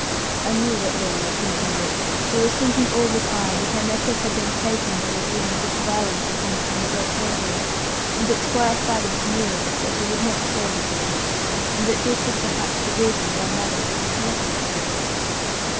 I knew what Lorna was thinking of; she was thinking all the time that her necklace had been taken by the Doones with violence upon some great robbery; and that Squire Faggus knew it, though he would not show his knowledge; and that this was perhaps the reason why mother had refused it so.